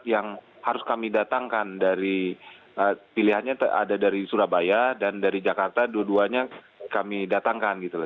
jadi kami harus kami datangkan dari pilihannya ada dari surabaya dan dari jakarta dua duanya kami datangkan gitu